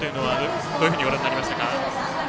どのようにご覧になりましたか。